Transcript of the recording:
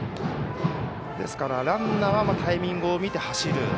ランナーはタイミングを見て走る。